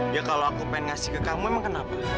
ya kalau aku pengen ngasih ke kamu emang kenapa